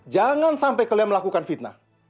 jangan sampai kalian melakukan fitnah